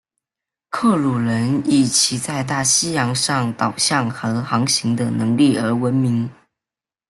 克鲁人以其在大西洋上导向和航行的能力而闻名。